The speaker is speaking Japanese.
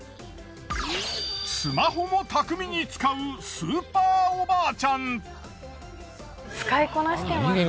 スマホもたくみに使うスーパーおばあちゃん。